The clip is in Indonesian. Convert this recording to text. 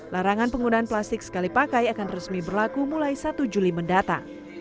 larangan penggunaan plastik sekali pakai akan resmi berlaku mulai satu juli mendatang